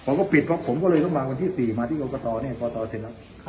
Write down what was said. ผมก็ปิดเพราะผมก็เลยต้องมาวันที่๔มาที่โกตรเสร็จแล้ว